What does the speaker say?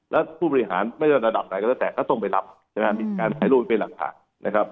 แล้วผู้บริหารไม่ได้ระดับไหนก็จะแตกก็ต้องไปรับมีการถ่ายรูปเป็นหลักฐาน